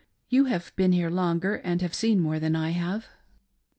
You have been here longer and have seen more than I have."